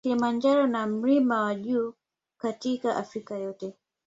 Kilimanjaro na mlima wa juu katika Afrika yote.